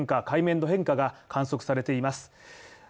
海面変化が観測されています。